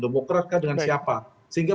demokrat dengan siapa sehingga